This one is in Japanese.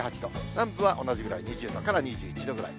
南部は同じぐらい、２０度から２１度ぐらい。